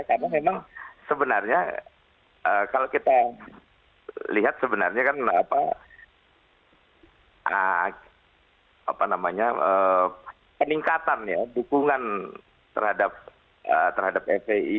karena memang sebenarnya kalau kita lihat sebenarnya kan apa namanya peningkatan ya dukungan terhadap fpi